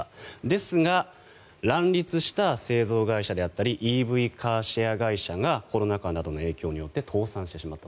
ですが、乱立した製造会社であったりＥＶカーシェア会社がコロナ禍などの影響によって倒産してしまった。